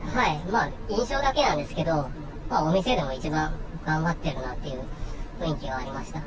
印象だけなんですけど、お店でも一番頑張ってるなって雰囲気はありました。